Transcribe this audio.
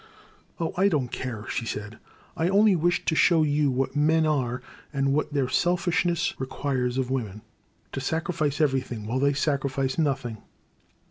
Oh, I don't care," she said, " I only wished to show you what men are and what their selfish ness requires of women, — ^to sacrifice ever3rthing while they sacrifice nothing."